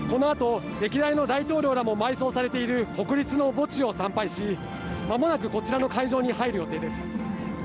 この後、歴代の大統領らも埋葬されている国立の墓地を参拝し、間もなくこちらの会場に入る予定です。